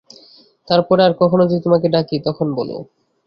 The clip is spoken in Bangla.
তার পরে আর কখনো যদি তোমাকে ডাকি তখন বোলো।